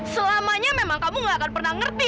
selamanya memang kamu gak akan pernah ngerti